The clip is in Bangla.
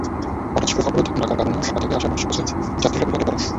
হঠাৎ সড়ক অবরোধ ডাকার কারণে ঢাকা থেকে আসা নৈশকোচের যাত্রীরা বিপাকে পড়েন।